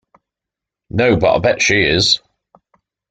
No, but I'll bet she is.